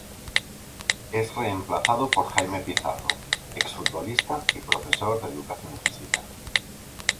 Es reemplazado por Jaime Pizarro, ex futbolista y profesor de educación física.